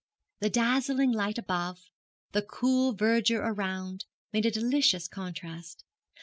The dazzling light above, the cool verdure around, made a delicious contrast.